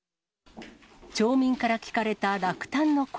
町民から聞かれた落胆の声。